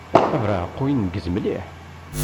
Abeṛṛeεqu ineggez mliḥ.